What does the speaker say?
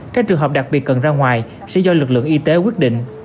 các trường hợp đặc biệt cần ra ngoài sẽ do lực lượng y tế quyết định